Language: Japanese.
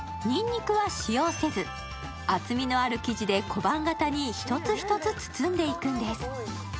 にんにくは使用せず、厚みのある生地で小判型に１つ１つ包んでいくんです。